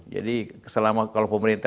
jadi selama kalau pemerintah